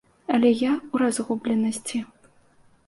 Але я ў разгубленасці.